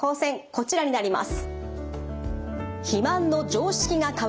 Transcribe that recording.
こちらになります。